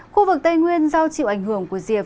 khu vực tây nguyên do chịu ảnh hưởng của diệt phía nam